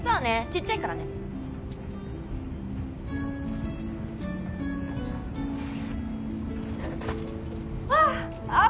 ちっちゃいからねわあ